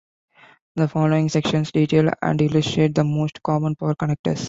The followin sections detail and illustrate the most common power connectors.